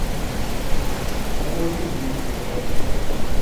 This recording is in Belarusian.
Думаю, будзем нешта з ім рабіць.